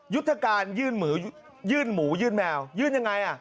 ยุทธการยื่นหมูยื่นแมวยื่นยังไง